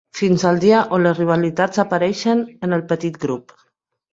Fins al dia on les rivalitats apareixen en el petit grup.